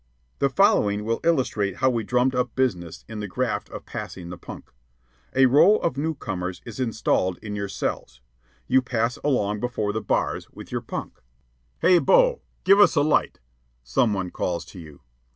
The following will illustrate how we drummed up business in the graft of passing the punk. A row of newcomers is installed in your cells. You pass along before the bars with your punk. "Hey, Bo, give us a light," some one calls to you.